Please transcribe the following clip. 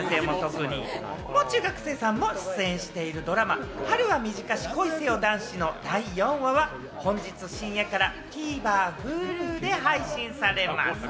もう中学生さんも出演しているドラマ『春は短し恋せよ男子』の第４話は、今日深夜からＴＶｅｒ、Ｈｕｌｕで配信されます。